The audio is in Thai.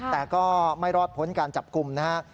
แต่ก็ไม่รอดพ้นการจับกลุ่มนะฮะ